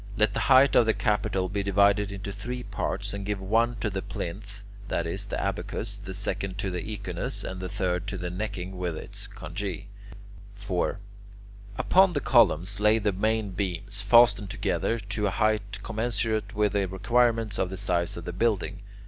Let the height of the capital be divided into three parts, and give one to the plinth (that is, the abacus), the second to the echinus, and the third to the necking with its conge. 4. Upon the columns lay the main beams, fastened together, to a height commensurate with the requirements of the size of the building.